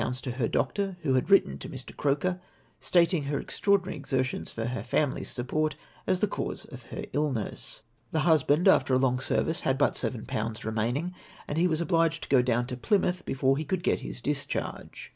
to her doctor, Avho had written to Mr. Croker, stating her extraordinary exertions for her family's support as the cause of her illness. The husband after a long service had but 17/. remaining; and he was obliged to go down to Plymouth before he could get liis discharge.